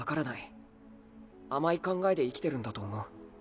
甘い考えで生きてるんだと思う。